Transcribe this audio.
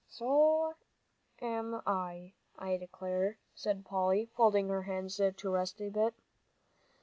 "So am I, I declare," said Polly, folding her hands to rest a bit.